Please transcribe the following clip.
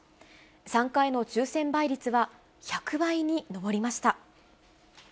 参加への抽せん倍率は１００倍に上りました。